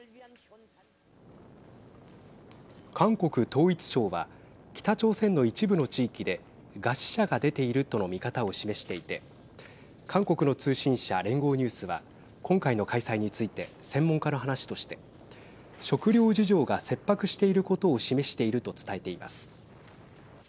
韓国統一省は北朝鮮の一部の地域で餓死者が出ているとの見方を示していて韓国の通信社連合ニュースは今回の開催について専門家の話として食料事情が切迫していることを示していると伝えています。